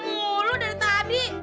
mulu dari tadi